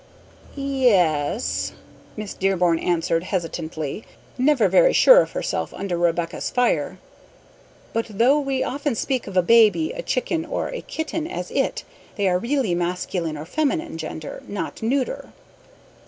"Ye es," Miss Dearborn answered hesitatingly, never very sure of herself under Rebecca's fire; "but though we often speak of a baby, a chicken, or a kitten as 'it,' they are really masculine or feminine gender, not neuter."